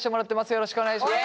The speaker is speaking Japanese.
よろしくお願いします。